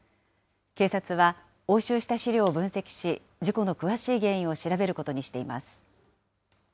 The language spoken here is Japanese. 警察は押収した資料を分析し、事故の詳しい原因を調べることにしています。